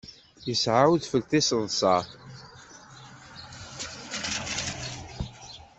Yesɛa udfel tiseḍsa.